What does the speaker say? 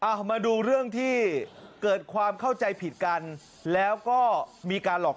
เอามาดูเรื่องที่เกิดความเข้าใจผิดกันแล้วก็มีการหลอก